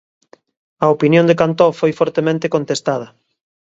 A opinión de Cantó foi fortemente contestada.